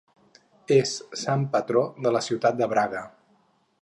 És sant patró de la ciutat de Braga.